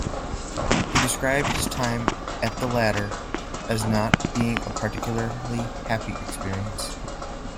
He described his time at the latter as not being a particularly happy experience.